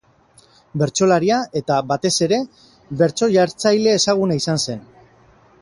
Bertsolaria eta, batez ere, bertso-jartzaile ezaguna izan zen.